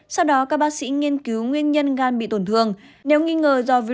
sau đó các bác sĩ nghiên cứu nguyên nhân gan bị tổn thương